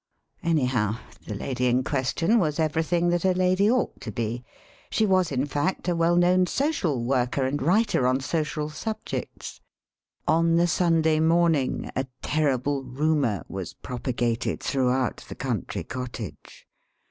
Anyhow the lady in question was everything that a lady ought to be. She was in fact a well known social worker and writer on social sub jects. On the Sunday morning a terrible rumour was propagated throughout the country cottage.